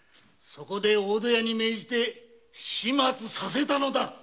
そこで大戸屋に命じて始末させたのだ。